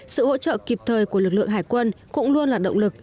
sự hỗ trợ kịp thời của lực lượng hải quân cũng luôn là động lực